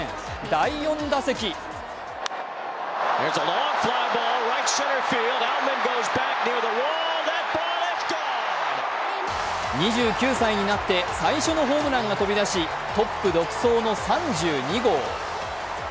第４打席２９歳になって最初のホームランが飛び出しトップ独走の３２号。